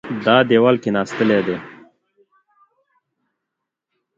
دا دېوال کېناستلی دی.